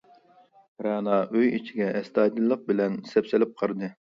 رەنا ئۆي ئىچىگە ئەستايىدىللىق بىلەن سەپسېلىپ قارىدى.